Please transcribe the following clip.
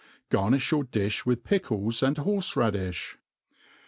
Carnifh your dith with pickles and horfe radifh.